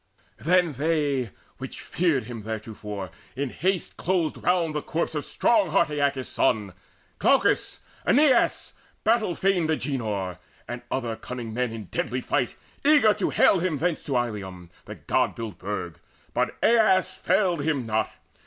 Then they, which feared him theretofore, in haste Closed round the corpse of strong heart Aeacus' son, Glaucus, Aeneas, battle fain Agenor, And other cunning men in deadly fight, Eager to hale him thence to Ilium The god built burg. But Aias failed him not.